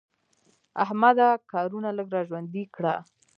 احمده کارونه لږ را ژوندي کړه.